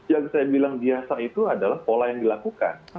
yang saya bilang biasa itu adalah pola yang dilakukan